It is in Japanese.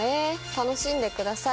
楽しんでください。